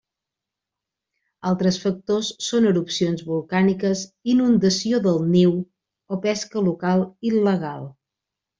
Altres factors són erupcions volcàniques, inundació del niu o pesca local il·legal.